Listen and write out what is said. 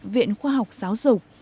viện khoa học giáo dục